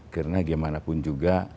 karena gimana pun juga